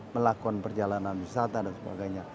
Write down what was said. melakukan perjalanan wisata dan sebagainya